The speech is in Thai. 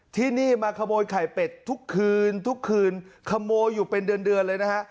ที่นี่มาขโมยไข่เป็ดทุกคืนทุกคืนขโมยอยู่เป็นเดือนเดือนเลยนะฮะ